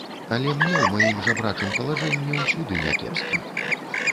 Але мне ў маім жабрачым палажэнні ўсюды някепска.